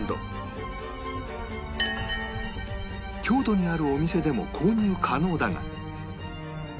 京都にあるお店でも購入可能だが